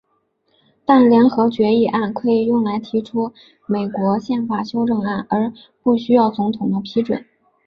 但联合决议案可以用来提出美国宪法修正案而不需要总统的批准。